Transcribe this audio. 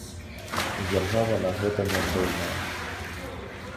Дзяржава на гэта не здольная.